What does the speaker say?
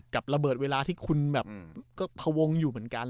กับระเบิดเวลาที่คุณแบบก็พวงอยู่เหมือนกัน